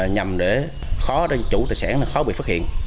nhằm để khó cho chủ tài sản khó bị phát hiện